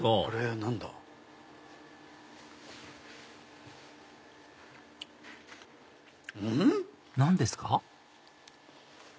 ⁉何ですか？